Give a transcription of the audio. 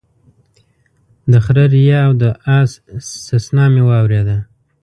د خره ريا او د اس سسنا مې واورېدله